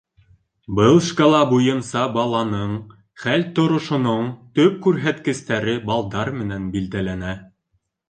Был шкала буйынса баланың хәл-торошоноң төп күрһәткестәре балдар менән билдәләнә.